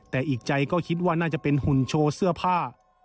แต่อีกใจก็คิดว่าน่าจะเป็นหุ่นโชว์เสื้อผ้า